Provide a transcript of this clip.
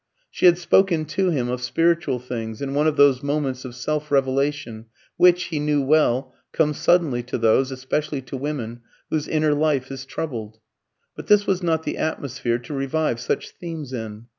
She had spoken to him of spiritual things, in one of those moments of self revelation which, he knew well, come suddenly to those especially to women whose inner life is troubled. But this was not the atmosphere to revive such themes in.